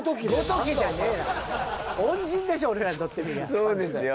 そうですよ。